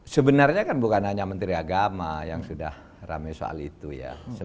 sebenarnya kan bukan hanya menteri agama yang sudah rame soal itu ya